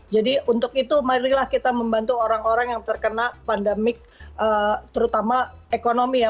jadi untuk itu mari lah kita membantu orang orang yang terkena pandemik terutama ekonomi ya